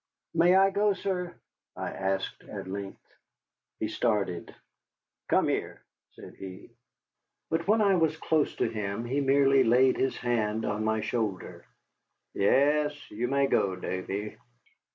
"May I go, sir?" I asked at length. He started. "Come here," said he. But when I was close to him he merely laid his hand on my shoulder. "Yes, you may go, Davy."